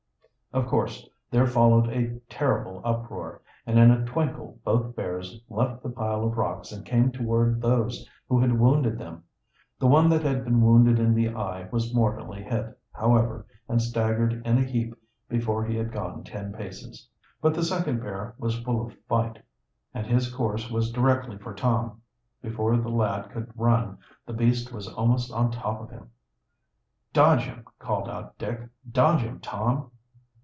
Of course there followed a terrible uproar, and in a twinkle both bears left the pile of rocks and came toward those who had wounded them. The one that had been wounded in the eye was mortally hit, however, and staggered in a heap before he had gone ten paces. But the second bear was full of fight, and his course was directly for Tom. Before the lad could run the beast was almost on top of him. "Dodge him!" called out Dick. "Dodge him, Tom!"